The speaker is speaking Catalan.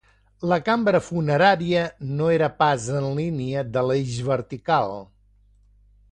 La cambra funerària no era pas en línia de l'eix vertical.